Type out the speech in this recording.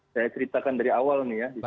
saya ceritakan dari awal